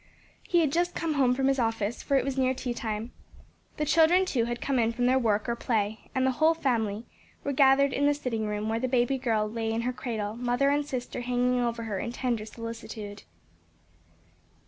He had just come home from his office; for it was near tea time. The children too had come in from their work or play, and the whole family were gathered in the sitting room, where the baby girl lay in her cradle, mother and sister hanging over her in tender solicitude.